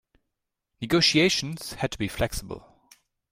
Negotiations had to be flexible.